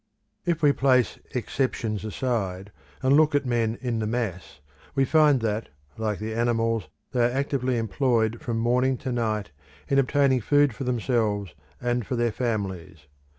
If we place exceptions aside, and look at men in the mass, we find that, like the animals, they are actively employed from morning to night in obtaining food for themselves and for their families.